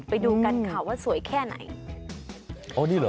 ไปดูกันค่ะว่าสวยแค่ไหน